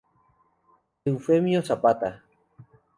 Eufemio Zapata.